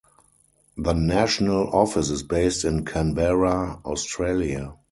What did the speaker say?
The national office is based in Canberra, Australia.